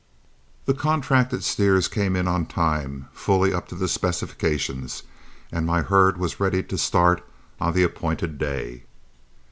The contracted steers came in on time, fully up to the specifications, and my herd was ready to start on the appointed day.